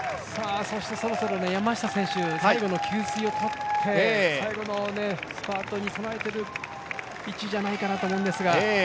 そろそろ山下選手、最後の給水をとって、最後のスパートに備えている位置じゃないかなと思うんですが。